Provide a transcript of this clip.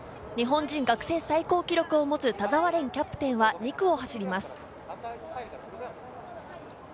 日本人学生最高記録を持つ田澤廉は２区を走ります。